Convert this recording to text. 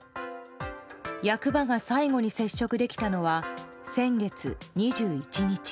役場が最後に接触できたのは先月２１日。